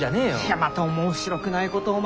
また面白くないことをお前。